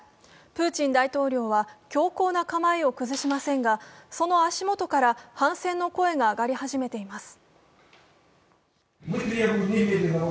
プーチン大統領は強硬な構えを崩しませんがその足元から反戦の声が上がり始めています。